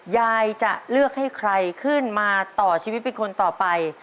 ยายจะเลือกให้ใครขึ้นมาต่อชีวิตเป็นคนต่อไป